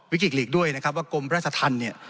วิกฤตหลีกด้วยนะครับว่ากรมราชธรรมเนี่ย